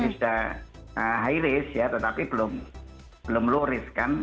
tidak high risk ya tetapi belum low risk kan